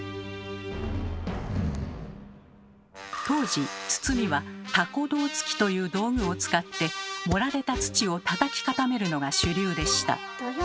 当時堤は「蛸胴突き」という道具を使って盛られた土をたたき固めるのが主流でした。